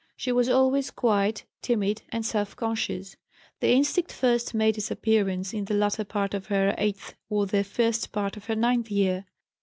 She was always quiet, timid, and self conscious. The instinct first made its appearance in the latter part of her eighth or the first part of her ninth year.